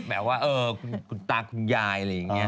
แบบเออคุณตาคุณยายอย่างนี้